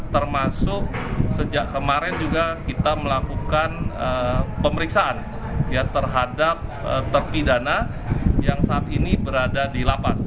termasuk sejak kemarin juga kita melakukan pemeriksaan terhadap terpidana yang saat ini berada di lapas